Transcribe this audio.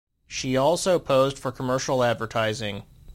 She also posed for commercial advertising.